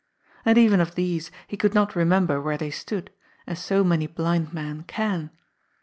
And even of these he could not remember where they stood, as so many blind men can.